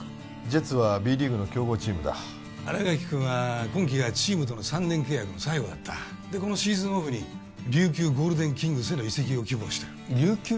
ジェッツはＢリーグの強豪チームだ新垣君は今季がチームとの３年契約の最後だったでこのシーズンオフに琉球ゴールデンキングスへの移籍を希望してる琉球？